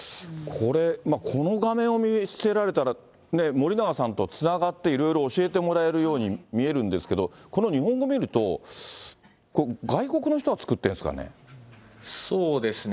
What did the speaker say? これ、この画面を見せられたら、森永さんとつながっていろいろ教えてもらえるように見えるんですけど、この日本語見ると、そうですね。